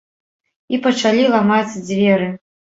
І пачалі ламаць дзверы.